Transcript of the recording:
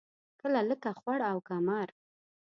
کله لکه خوړ او کمر.